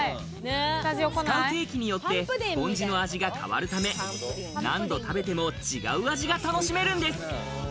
使うケーキによってスポンジの味が変わるため、何度食べても違う味が楽しめるんです。